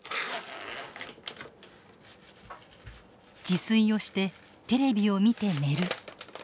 自炊をしてテレビを見て寝る。